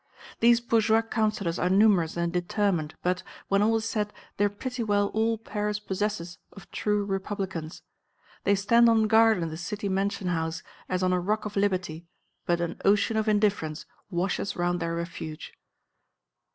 These bourgeois councillors are numerous and determined, but, when all is said, they are pretty well all Paris possesses of true Republicans. They stand on guard in the city mansion house, as on a rock of liberty, but an ocean of indifference washes round their refuge.